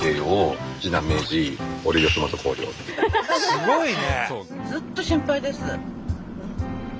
すごいね。